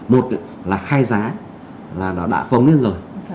một là khai giá là nó đã phong lên rồi